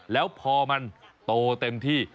แล้วพอมันโตเต็มที่